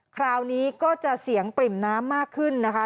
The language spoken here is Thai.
คราวนี้ก็จะเสียงปริ่มน้ำมากขึ้นนะคะ